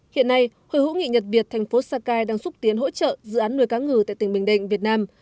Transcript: hiện nay hội hữu nghị nhật việt thành phố sakai đang xúc tiến hỗ trợ dự án nuôi cá ngừ tại tỉnh bình định việt nam